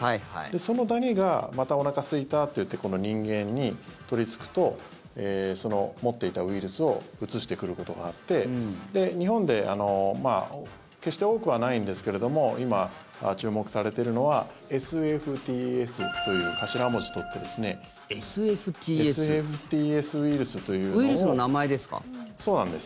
そのダニがまたおなかすいたっていって人間に取りつくと持っていたウイルスをうつしてくることがあって日本で決して多くはないんですけれども今、注目されているのはＳＦＴＳという頭文字を取ってＳＦＴＳウイルスというのを。そうなんです。